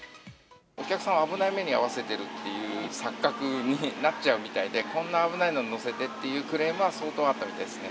お客様を危ない目に遭わせているという錯覚になっちゃうみたいで、こんな危ないのに乗せてっていうクレームは相当あったようですね。